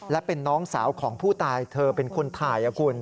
และเป็นน้องสาวของผู้ตายเธอเป็นคนถ่ายคุณ